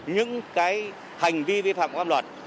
những cái hành vi vi phạm oan luật